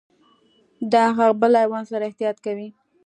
د هغه بل حیوان سره احتياط کوئ .